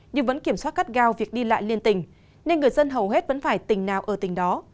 nhưng vẫn kiểm soát cắt gao việc đi lại liên tình nên người dân hầu hết vẫn phải tỉnh nào ở tỉnh đó